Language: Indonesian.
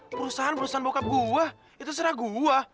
perusahaan perusahaan bokap gue itu serah gue